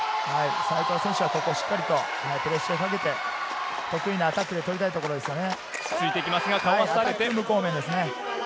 西藤選手はしっかりプレッシャーをかけて得意なアタックで取りたいところですね。